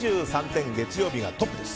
２３点、月曜日がトップです。